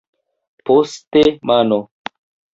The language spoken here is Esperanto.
Poste mano.